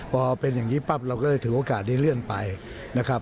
พอเป็นอย่างนี้ปั๊บเราก็เลยถือโอกาสได้เลื่อนไปนะครับ